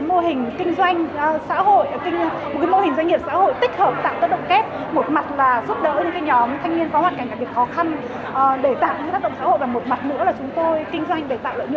và một mặt nữa là chúng tôi kinh doanh để tạo lợi nhuận và chúng tôi cam kết là những cái lợi nhuận của chúng tôi tạo được từ cái mô hình